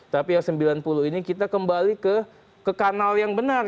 tapi yang sembilan puluh ini kita kembali ke kanal yang benar